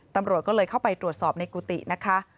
ตำรวจก็เลยเข้าไปตรวจสอบในกุฏินะคะ